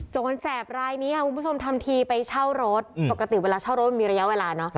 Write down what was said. แสบรายนี้ค่ะคุณผู้ชมทำทีไปเช่ารถปกติเวลาเช่ารถมันมีระยะเวลาเนอะ